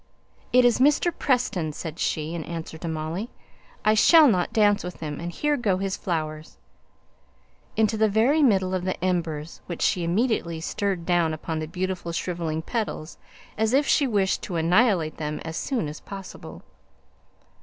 "It is Mr. Preston," said she, in answer to Molly. "I shall not dance with him; and here go his flowers " Into the very middle of the embers, which she immediately stirred down upon the beautiful shrivelling petals as if she wished to annihilate them as soon as possible.